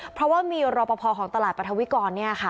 เพราะว่ามีรบพอของตลาดปรัฐวิกร